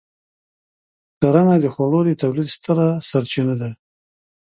کرنه د خوړو د تولید ستره سرچینه ده.